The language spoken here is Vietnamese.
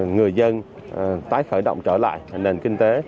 người dân tái khởi động trở lại nền kinh tế